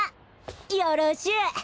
よろしゅう！